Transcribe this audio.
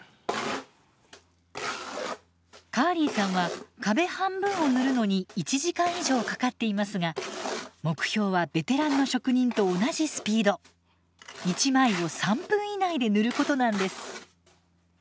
カーリーさんは壁半分を塗るのに１時間以上かかっていますが目標はベテランの職人と同じスピード１枚を３分以内で塗ることなんです。